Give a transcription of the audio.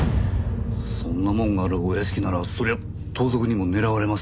そんなもんがあるお屋敷ならそりゃ盗賊にも狙われますよね。